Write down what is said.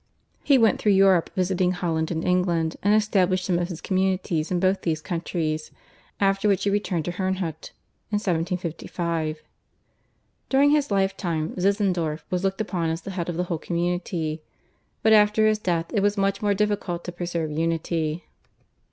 He went through Europe visiting Holland and England and established some of his communities in both these countries, after which he returned to Herrnhut in 1755. During his lifetime Zinzendorf was looked upon as the head of the whole community, but after his death it was much more difficult to preserve unity.